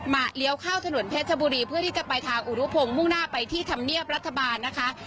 เลี้ยวเข้าถนนเพชรบุรีเพื่อที่จะไปทางอุรุพงศ์มุ่งหน้าไปที่ธรรมเนียบรัฐบาลนะคะ